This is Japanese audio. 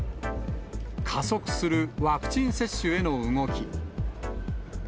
加速するワクチン接種への動き。